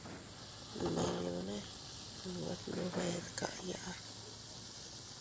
Nminñune nwe tndube dkaya.